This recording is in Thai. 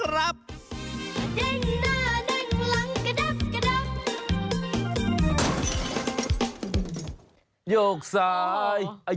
ยกหน้าเด้งหลังกระดับกระดัง